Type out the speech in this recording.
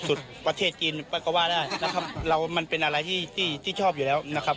สุดประเทศจีนปะกะว่านะครับเรามันเป็นอะไรที่ชอบอยู่แล้วนะครับ